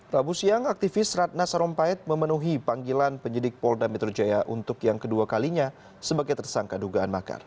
rabu siang aktivis ratna sarumpait memenuhi panggilan penyidik polda metro jaya untuk yang kedua kalinya sebagai tersangka dugaan makar